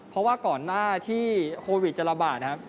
เพราะว่าก่อนหน้าที่โควิดจะระบาดนะครับ